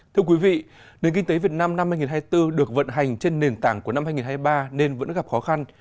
thưa quý vị nền kinh tế việt nam năm hai nghìn hai mươi bốn được vận hành trên nền tảng của năm hai nghìn hai mươi ba nên vẫn gặp khó khăn